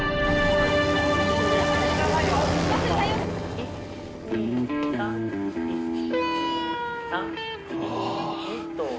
「１２３１２３」おお！